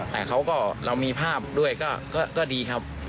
แต่เรามีภาพด้วยก็ดีครับ